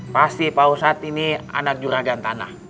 pasti pak ustadz ini anak juragan tanah